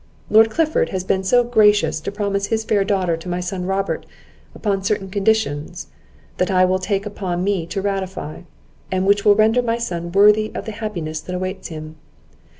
Lord Clifford has been so gracious to promise his fair daughter to my son Robert, upon certain conditions, that I will take upon me to ratify, and which will render my son worthy of the happiness that awaits him.